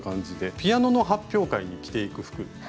ピアノの発表会に着ていく服。